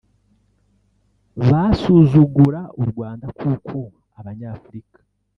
basuzugura u Rwanda kuko Abanyafurika